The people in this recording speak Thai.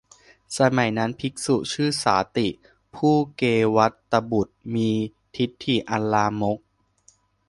สมัยนั้น ภิกษุชื่อสาติ ผู้เกวัฏฏบุตรมีทิฏฐิอันลามก